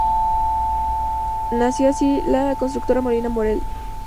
Nació así la constructora Molina Morel y Cía Ltda.